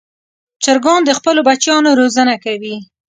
چرګان د خپلو بچیانو روزنه کوي.